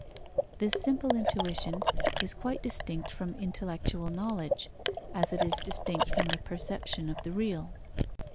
This simple intuition is quite distinct from intellectual knowledge, as it is distinct from the perception of the real.